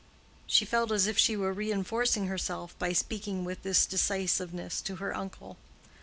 She felt as if she were reinforcing herself by speaking with this decisiveness to her uncle.